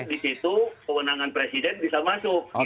di situ kewenangan presiden bisa masuk